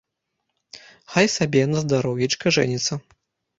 Хай сабе, на здароўечка, жэніцца.